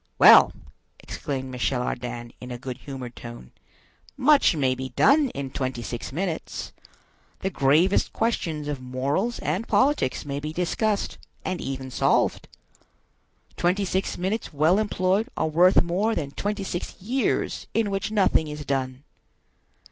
"Well!" exclaimed Michel Ardan, in a good humored tone, "much may be done in twenty six minutes. The gravest questions of morals and politics may be discussed, and even solved. Twenty six minutes well employed are worth more than twenty six years in which nothing is done.